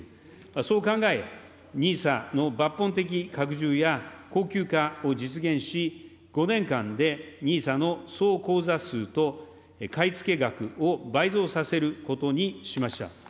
そう考え、ＮＩＳＡの抜本的拡充や恒久化を実現し、５年間でＮＩＳＡの総口座数と買い付け額を倍増させることにしました。